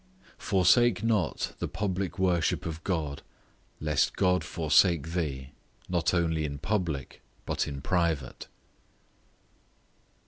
Forsake not the public worship of God, lest God forsake thee; not only in public, but in private.